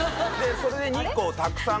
それで日光をたくさん。